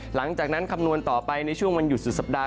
หลังจากนั้นคำนวณต่อไปในช่วงวันหยุดสุดสัปดาห์